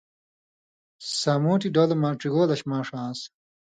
سامُوٹھیۡ ڈلہۡ مہ ڇِگولش ماݜہ آن٘س،